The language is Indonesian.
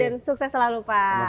dan sukses selalu pak